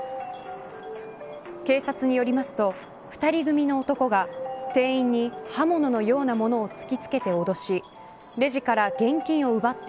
警察によりますと２人組の男が店員に刃物のようなものを突きつけて脅しレジから現金を奪って